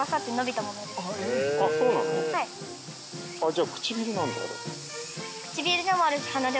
じゃあ唇なんだあれ。